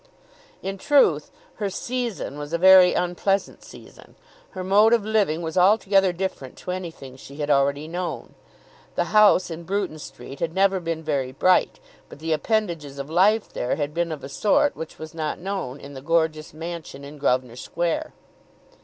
In truth, her "season" was a very unpleasant season. Her mode of living was altogether different to anything she had already known. The house in Bruton Street had never been very bright, but the appendages of life there had been of a sort which was not known in the gorgeous mansion in Grosvenor Square.